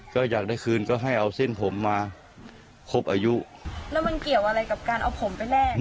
ก็อยากได้คืนก็ให้เอาเส้นผมมาครบอายุแล้วมันเกี่ยวอะไรกับการเอาผมไปแลก